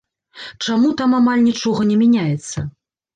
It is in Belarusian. Чаму там амаль нічога не мяняецца?